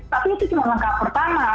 tapi itu cuma langkah pertama